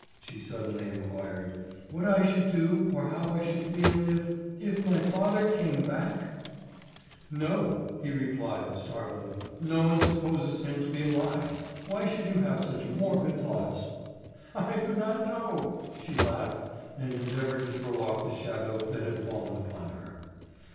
she suddenly inquired, "what I should do or how I should feel if—if my father came back?" "No," he replied startled. "No one supposes him to be alive. Why should you have such morbid thoughts?" "I do not know." She laughed and endeavored to throw off the shadow that had fallen upon her.